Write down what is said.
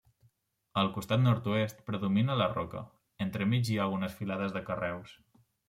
Al costat nord-oest predomina la roca; entremig hi ha algunes filades de carreus.